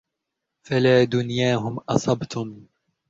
فَلَا دُنْيَاهُمْ أَصَبْتُمْ